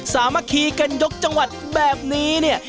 สามัคคีกันยกจังหวัดแบบนี้เนี่ย